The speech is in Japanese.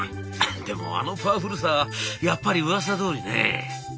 「でもあのパワフルさやっぱりうわさどおりね」。